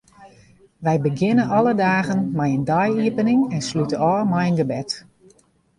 Wy begjinne alle dagen mei in dei-iepening en slute ôf mei in gebed.